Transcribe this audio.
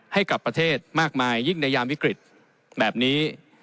ให้กับประเทศมากมายยิ่งในยามวิกฤตแบบนี้